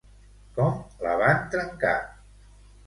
Com la van trencar?